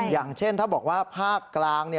อย่างเช่นถ้าบอกว่าภาคกลาง